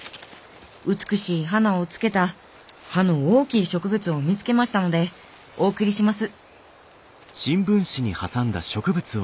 美しい花をつけた葉の大きい植物を見つけましたのでお送りします」。